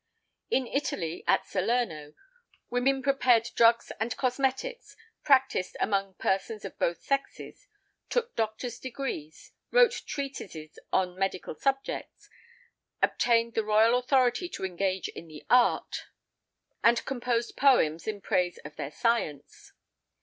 In Italy, at Salerno, women prepared drugs and cosmetics, practised among persons of both sexes, took doctor's degrees, wrote treatises on medical subjects, obtained the royal authority to engage in the art, and composed poems in praise of their science.